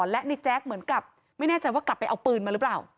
และในแจ๊กเหมือนกับไม่แน่ใจว่ากลับไปเอาปืนมาหรือเปล่า